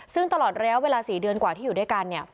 ซึ่งตลอดแล้วเวลา๔เดือนกว่าที่อยู่ด้วยกัน